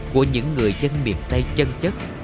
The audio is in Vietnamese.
của những người dân miền tây chân chất